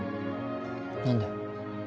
何で？